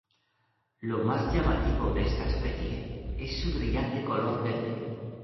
Lo más llamativo de esta especie es su brillante color verde.